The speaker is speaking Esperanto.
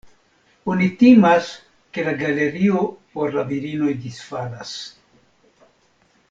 Oni timas, ke la galerio por la virinoj disfalas.